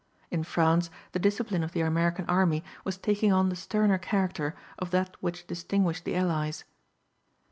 In France the discipline of the American army was taking on the sterner character of that which distinguished the Allies.